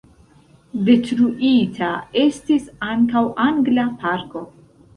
Detruita estis ankaŭ angla parko.